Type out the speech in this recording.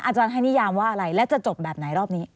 อาจารย์ให้นิยามว่าอะไรแล้วจะจบแบบไหนรอบนี้